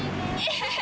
ハハハ。